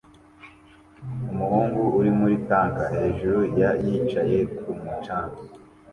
Umuhungu uri muri tank hejuru ya yicaye kumu canga